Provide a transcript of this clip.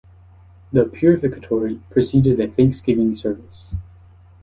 The purificatory preceded the thanksgiving service.